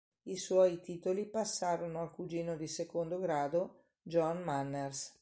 I suoi titoli passarono al cugino di secondo grado, John Manners.